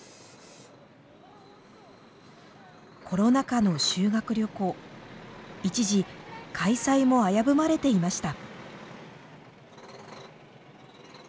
コロナ禍の修学旅行一時開催も危ぶまれていました。